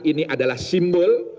ini adalah simbol